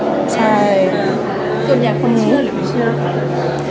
ส่วนใหญ่คนเชื่อหรือไม่เชื่อ